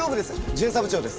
巡査部長です。